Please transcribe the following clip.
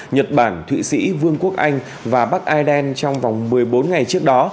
nhật bản thụy sĩ vương quốc anh và bắc ireland trong vòng một mươi bốn ngày trước đó